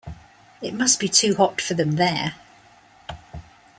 It must be too hot for them there.